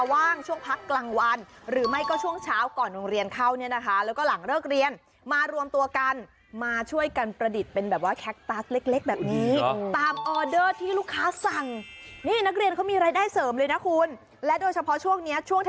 ว่างช่วงพักกลางวันหรือไม่ก็ช่วงเช้าก่อนโรงเรียนเข้าเนี่ยนะคะแล้วก็หลังเลิกเรียนมารวมตัวกันมาช่วยกันประดิษฐ์เป็นแบบว่าแคคตัสเล็กแบบนี้ตามออเดอร์ที่ลูกค้าสั่งนี่นักเรียนเขามีรายได้เสริมเลยนะคุณและโดยเฉพาะช่วงนี้ช่วงท